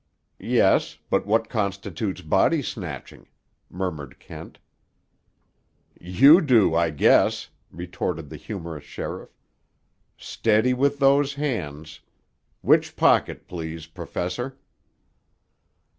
"Yes; but what constitutes body snatching?" murmured Kent. "You do, I guess," retorted the humorous sheriff. "Steady with those hands. Which pocket, please, Professor?"